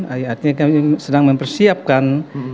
artinya kami sedang mempersiapkan